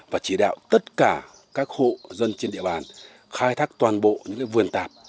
và chỉ đạo tất cả các hộ dân trên địa bàn khai thác toàn bộ những vườn tạp